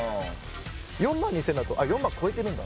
４万２０００だと「あ４万超えてるんだ」